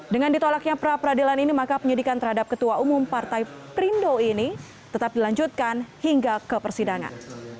dengan ditolaknya pra peradilan ini maka penyidikan terhadap ketua umum partai perindo ini tetap dilanjutkan hingga ke persidangan